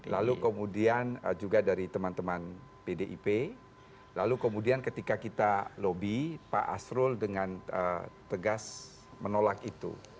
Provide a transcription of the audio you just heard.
lalu kemudian juga dari teman teman pdip lalu kemudian ketika kita lobby pak asrul dengan tegas menolak itu